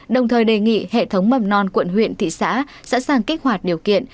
đồng thời đề nghị hệ thống mầm non quận huyện thị xã sẵn sàng kích hoạt điều kiện